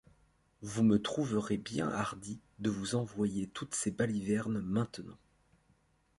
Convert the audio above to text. Vous me trouverez bien hardie de vous envoyer toutes ces balivernes maintenant.